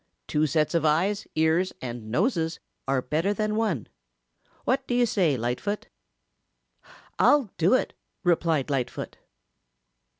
Two sets of eyes, ears and noses are better than one. What do you say, Lightfoot?" "I'll do it," replied Lightfoot.